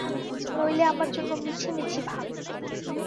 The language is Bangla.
নইলে আমার জন্যে মিছিমিছি ভাববে।